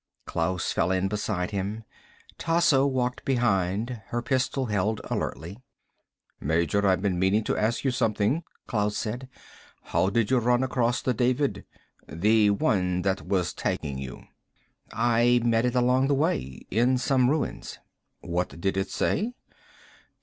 Klaus fell in beside him. Tasso walked behind, her pistol held alertly. "Major, I've been meaning to ask you something," Klaus said. "How did you run across the David? The one that was tagging you." "I met it along the way. In some ruins." "What did it say?"